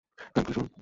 কান খুলে শুনুন!